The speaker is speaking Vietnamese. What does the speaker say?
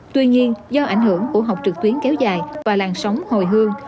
tuy nhiên do ảnh hưởng của học trực tuyến kéo dài và làn sóng hồi hương